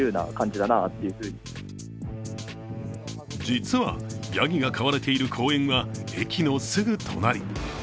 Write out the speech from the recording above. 実は、やぎが飼われている公園は駅のすぐ隣。